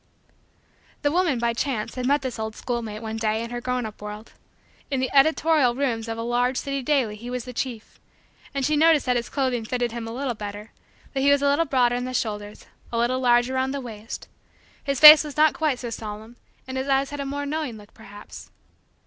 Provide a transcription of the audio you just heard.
The woman, by chance, had met this old schoolmate, one day, in her grown up world. In the editorial rooms of a large city daily he was the chief, and she noticed that his clothing fitted him a little better; that he was a little broader in the shoulders; a little larger around the waist; his face was not quite so solemn and his eyes had a more knowing look perhaps.